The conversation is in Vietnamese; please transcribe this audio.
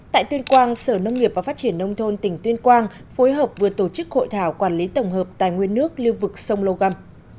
tại tuyên quang sở nông nghiệp và phát triển nông thôn tỉnh tuyên quang phối hợp vừa tổ chức hội thảo quản lý tổng hợp tài nguyên nước lưu vực sông lô găm